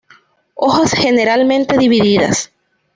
Hojas generalmente divididas.